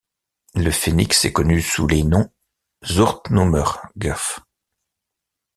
Le phoenix est connu sous les noms Zuchtnummer Gf.